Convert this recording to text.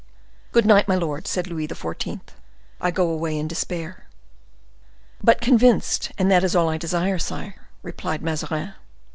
"Good night, my lord," said Louis XIV., "I go away in despair." "But convinced, and that is all I desire, sire," replied Mazarin.